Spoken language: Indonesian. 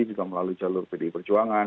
juga melalui jalur pdi perjuangan